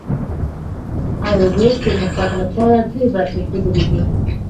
ای بیټ د نصاب لپاره درې برخې ښودلې دي.